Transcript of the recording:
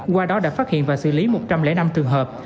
qua đó đã phát hiện và xử lý một trăm linh năm trường hợp